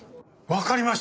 わかりました！